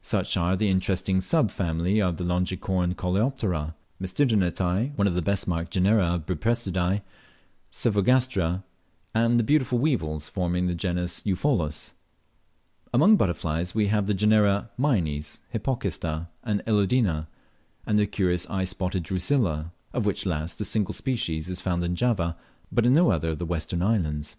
Such are the interesting sub family of Longicorn coleoptera Tmesisternitae; one of the best marked genera of Buprestidae Cyphogastra; and the beautiful weevils forming the genus Eupholus. Among butterflies we have the genera Mynes, Hypocista, and Elodina, and the curious eye spotted Drusilla, of which last a single species is found in Java, but in no other of the western islands.